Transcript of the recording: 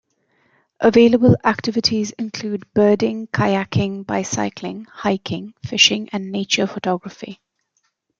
Available activities include birding, kayaking, bicycling, hiking, fishing and nature photography.